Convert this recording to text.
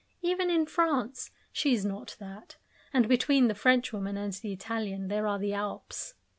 Even in France she is not that, and between the Frenchwoman and the Italian there are the Alps.